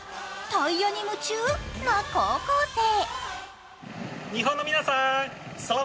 タイヤに夢中な高校生。